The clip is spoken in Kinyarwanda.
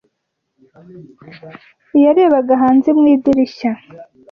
Yarebaga hanze mu idirishya.